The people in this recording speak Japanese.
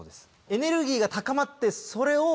エネルギーが高まってそれを。